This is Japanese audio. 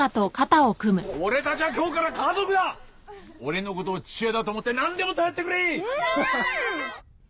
俺たちは今日から家族だ俺のことを父親だと思って何でも頼ってくれお父さーん！